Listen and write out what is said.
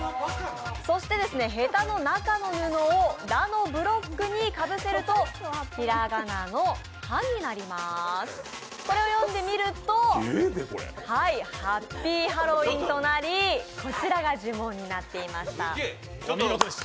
そして、へたの中の布を「ら」のブロックにかぶせるとこれを読んでみると、「ハッピーハロウィン」となりこちらが呪文になっていました。